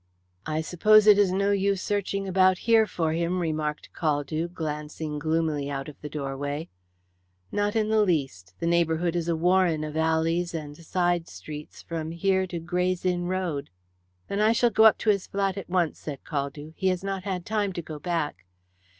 "I suppose it is no use searching about here for him?" remarked Caldew, glancing gloomily out of the doorway. "Not in the least. The neighbourhood is a warren of alleys and side streets from here to Grays Inn Road." "Then I shall go up to his flat at once," said Caldew. "He has not had time to go back."